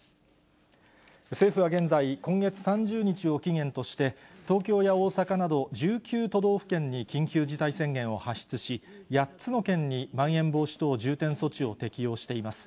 政府は現在、今月３０日を期限として、東京や大阪など１９都道府県に緊急事態宣言を発出し、８つの県にまん延防止等重点措置を適用しています。